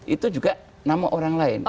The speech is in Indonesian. itu juga nama orang lain